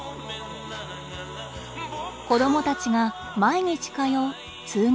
子どもたちが毎日通う「通学路」。